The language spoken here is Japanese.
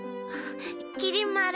きり丸。